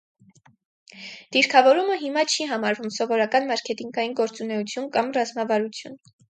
Դիրքավորումը հիմա չի համարվում սովորական մարքեթինգային գործունեություն կամ ռազմավարություն։